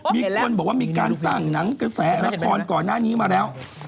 มีคนบอกว่ามีการสร้างหนังกระแสละครก่อนหน้านี้มาแล้ว